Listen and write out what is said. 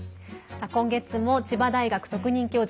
今月も、千葉大学特任教授